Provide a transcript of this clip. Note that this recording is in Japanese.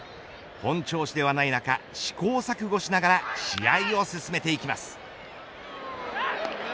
本調子ではない中試行錯誤しながら試合を進めていきます。